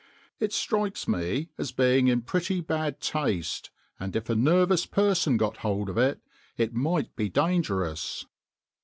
" It strikes me as being in pretty bad taste, and if a nervous person got hold of it, it might be dangerous."